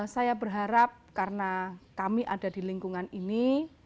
saya berharap karena kami ada di lingkungan ini